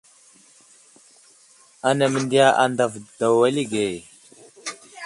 Anaŋ məndiya andav didaw alikege.